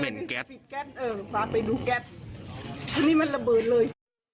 เออพาไปดูแก๊สอันนี้มันระเบิดเลย